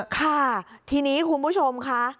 ค่ะทีนี้คุณผู้ชมค่ะ